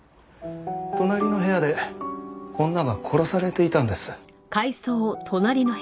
隣の部屋で女が殺されていたんです。